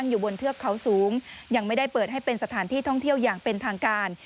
อยู่บนเทือกเขาสูงยังไม่ได้เปิดให้เป็นสถานที่ท่องเที่ยวอย่างเป็นทางการ